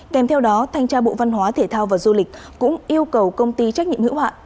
kèm theo đó thanh tra bộ văn hóa thể thao và du lịch cũng yêu cầu công ty trách nhiệm hữu hạn